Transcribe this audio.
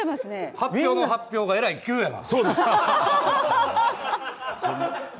発表の発表がえらい急やな。